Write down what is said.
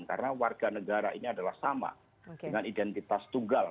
karena warga negara ini adalah sama dengan identitas tunggal